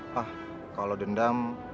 pak kalau dendam